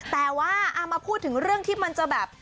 แต่ว่าเอามาพูดถึงเรื่องที่มันจะแบบ